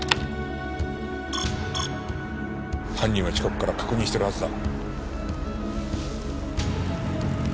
犯人は近くから確認してるはずだ。